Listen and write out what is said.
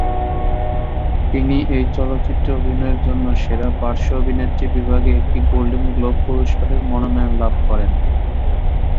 তিনি এই চলচ্চিত্রে অভিনয়ের জন্য সেরা পার্শ্ব অভিনেত্রী বিভাগে একটি গোল্ডেন গ্লোব পুরস্কারের মনোনয়ন লাভ করেন।